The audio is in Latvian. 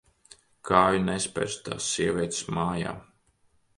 Kāju nespersi tās sievietes mājā.